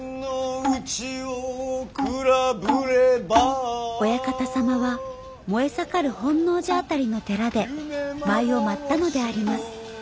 オヤカタ様は燃え盛る本能寺辺りの寺で舞を舞ったのであります。